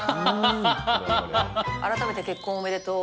改めて結婚おめでとう。